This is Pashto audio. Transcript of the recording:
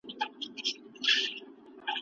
غچ اخیستل انسان نشه کوي.